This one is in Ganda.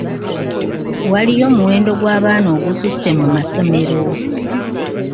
Waliyo omuwendo gw'abaana ogususse mu masomero.